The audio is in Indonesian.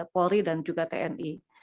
polri dan juga tni